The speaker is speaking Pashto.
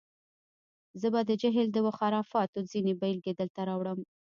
زه به د جهل و خرافاتو ځینې بېلګې دلته راوړم.